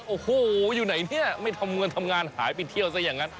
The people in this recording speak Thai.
โอ้โหอยู่ไหนเนี่ยไม่ทำเงินทำงานหายไปเที่ยวซะอย่างนั้น